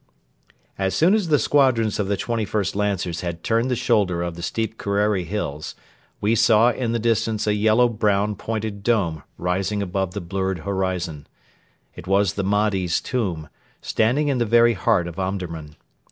As soon as the squadrons of the 21st Lancers had turned the shoulder of the steep Kerreri Hills, we saw in the distance a yellow brown pointed dome rising above the blurred horizon. It was the Mahdi's Tomb, standing in the very heart of Omdurman.